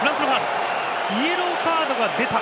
イエローカードが出た。